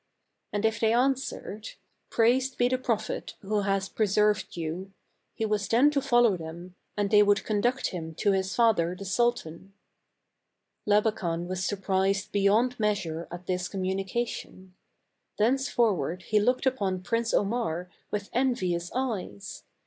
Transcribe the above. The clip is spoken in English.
And if they answered, be the Prophet who has preserved was then to follow them and they would conduct him to his father the sultan. Labakan was surprised beyond measure at this communication. Thenceforward he looked upon Prince Omar with envious eyes.